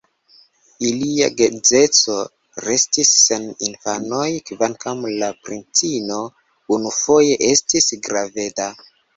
Ilia geedzeco restis sen infanoj, kvankam la princino unufoje estis graveda.